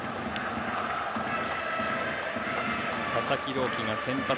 佐々木朗希が先発。